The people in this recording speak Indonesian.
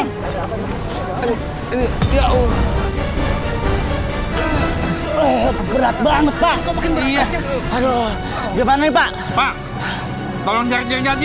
hai oh berat banget pak iya aduh gimana pak pak tolong jangan jadi